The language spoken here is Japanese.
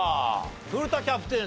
古田キャプテン